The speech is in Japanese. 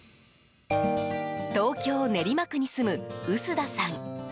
東京・練馬区に住む臼田さん。